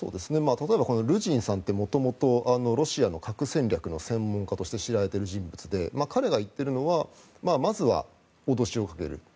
例えばこのルージンさんって元々ロシアの核戦略の専門家として知られている人物で彼が言っているのはまずは脅しをかける。